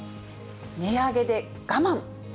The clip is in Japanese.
値上げで我慢。